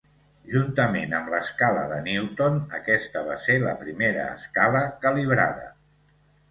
Juntament amb l'escala de Newton, aquesta va ser la primera escala "calibrada".